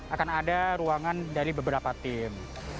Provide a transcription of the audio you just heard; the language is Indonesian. akan ada ruangan dari beberapa tim